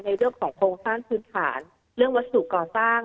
เรื่องของโครงสร้างพื้นฐานเรื่องวัสดุก่อสร้าง